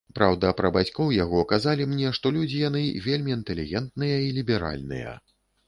Праўда, пра бацькоў яго казалі мне, што людзі яны вельмі інтэлігентныя і ліберальныя.